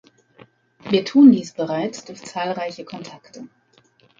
Wir tun dies bereits durch zahlreiche Kontakte.